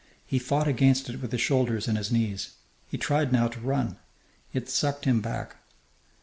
He fought against it with his shoulders and his knees. He tried now to run. It sucked him back.